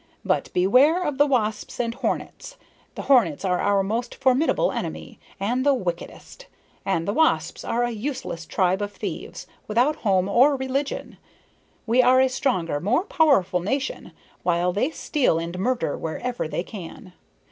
But beware of the wasps and hornets. The hornets are our most formidable enemy, and the wickedest, and the wasps are a useless tribe of thieves, without home or religion. We are a stronger, more powerful nation, while they steal and murder wherever they can.